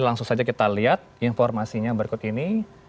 langsung saja kita lihat informasinya berikut ini